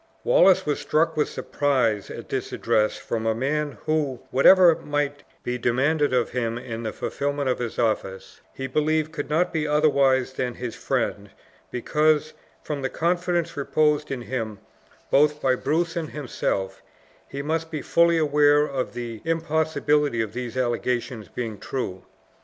Wallace was struck with surprise at this address from a man who, whatever might be demanded of him in the fulfillment of his office, he believed could not be otherwise than his friend because, from the confidence reposed in him both by Bruce and himself, he must be fully aware of the impossibility of these allegations being true.